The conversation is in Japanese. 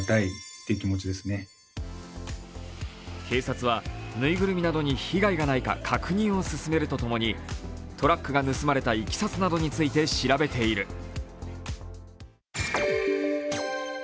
警察は、ぬいぐるみなどに被害がないか確認を進めるとともにトラックが盗まれたいきさつなどについて調べている。